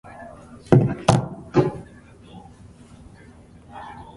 Because of this, they became part of the preserved county of South Glamorgan.